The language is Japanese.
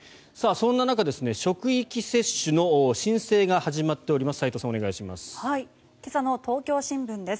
そんな中、職域接種の申請が始まっております。